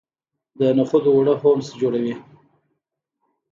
د نخودو اوړه هومس جوړوي.